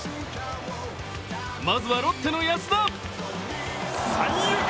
まずはロッテの安田。